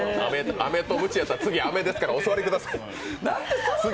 アメとムチやったら、次、アメですからお待ちください。